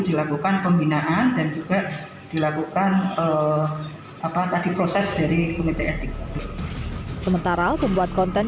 dilakukan pembinaan dan juga dilakukan apa tadi proses dari komite etik sementara pembuat konten